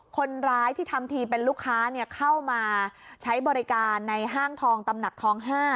คนร้ายที่ทำทีเป็นลูกค้าเข้ามาใช้บริการในห้างทองตำหนักทอง๕